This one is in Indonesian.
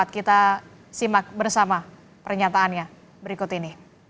kita simak bersama pernyataannya berikut ini